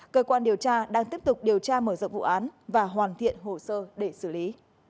cơ quan điều tra đang tiếp tục điều tra mở rộng vụ án và hoàn thiện hồ sơ để xử lý